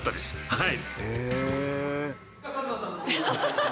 はい。